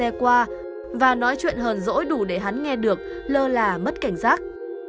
hắn đạp xe qua và nói chuyện hờn rỗi đủ để hắn nghe được lơ là mất cảnh giác